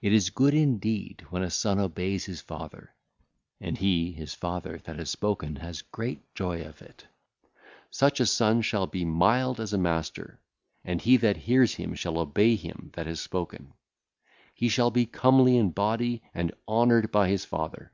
It is good indeed when a son obeyeth his father; and he (his father) that hath spoken hath great joy of it. Such a son shall be mild as a master, and he that heareth him shall obey him that hath spoken. He shall be comely in body and honoured by his father.